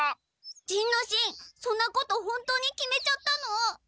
仁之進そんなこと本当に決めちゃったの？